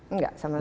enggak sama sekali